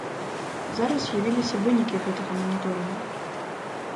Зараз з'явіліся вынікі гэтага маніторынгу.